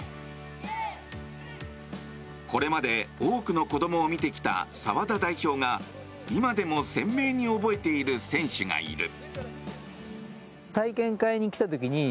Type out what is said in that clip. これまで多くの子供を見てきた沢田代表が今でも鮮明に覚えている選手がいる。